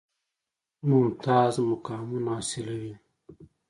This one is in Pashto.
ممتاز مقامونه حاصلوي.